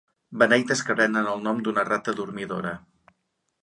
Beneites que prenen el nom d'una rata dormidora.